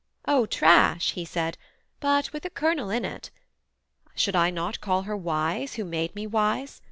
'O trash' he said, 'but with a kernel in it. Should I not call her wise, who made me wise?